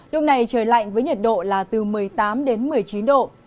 lúc này trời lạnh với nhiệt độ là từ một mươi tám đến một mươi chín độ